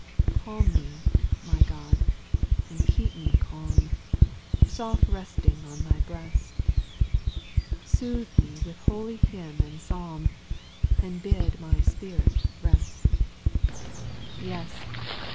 2. Calm me, my Qod, and keep me calm, Soft resting on Thy breast, Soothe me with holy hymn and psalm, And bid my spirit rest. SPIRITUAL SONGS. 859 3. Yes